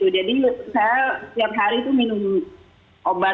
jadi saya tiap hari itu minum obat